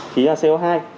khí là co hai